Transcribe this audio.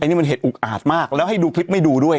นี่มันเหตุอุกอาจมากแล้วให้ดูคลิปไม่ดูด้วย